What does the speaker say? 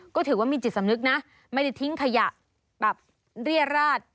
ก็ถือว่ามีจิตสำนึกนะไม่ได้ทิ้งขยะแบบเรียราช